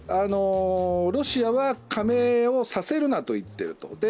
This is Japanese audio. ロシアは加盟をさせるなと言っている。